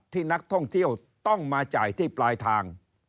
ที่นักท่องเที่ยวต้องมาจ่ายที่ปลายทาง